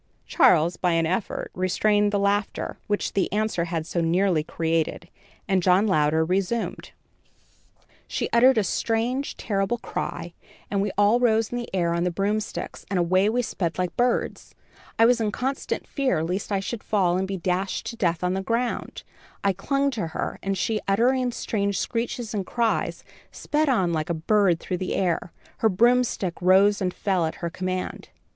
Charles, by an effort, restrained the laughter, which the answer had so nearly created, and John Louder resumed: "She uttered a strange, terrible cry, and we all rose in the air on the broomsticks and away we sped like birds. I was in constant fear lest I should fall and be dashed to death on the ground. I clung to her, and she, uttering strange screeches and cries, sped on like a bird through the air. Her broomstick rose and fell at her command.